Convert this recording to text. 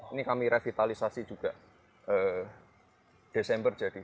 ini kami revitalisasi juga desember jadi